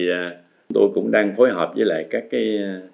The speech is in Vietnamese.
thì tôi cũng đang phối hợp với lại các cái